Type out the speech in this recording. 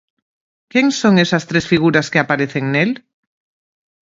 Quen son esas tres figuras que aparecen nel?